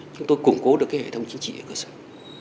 chúng tôi củng cố được cái hệ thống chính trị này